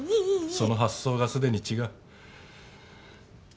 その発想がすでに違う。